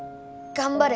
頑張れ！